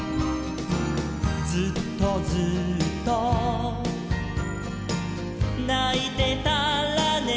「ずっとずっとないてたらね」